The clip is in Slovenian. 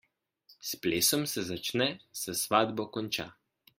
S plesom se začne, s svatbo konča.